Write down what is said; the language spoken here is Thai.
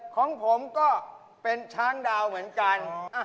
ของผมก็เป็นช้างดาวเหมือนกัน